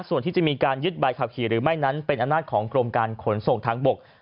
ส่วนที่จะมีการยึดใบขับขี่หรือไม่นั้นเป็นอำนาจของกรมการขนส่งทางบก